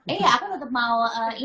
iya aku tetap mau